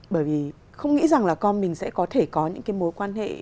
bởi vì không nghĩ rằng là con mình sẽ có thể có những cái mối quan hệ